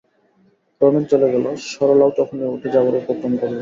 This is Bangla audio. রমেন চলে গেল, সরলাও তখনি উঠে যাবার উপক্রম করলে।